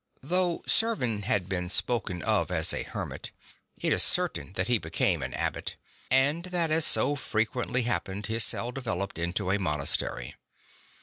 Though Servan has been spoken of as a hermit, it is cer tain that he became an Abbot, and that, as so frequently happened, his cell developed into a monastery.